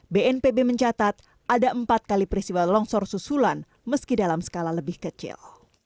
bnpb mencatat ada empat kali peristiwa longsor susulan meski dalam skala lebih kecil